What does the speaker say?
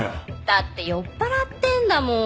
だって酔っぱらってんだもん。